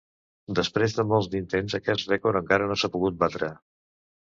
Després de molts d'intents aquest rècord encara no s'ha pogut batre.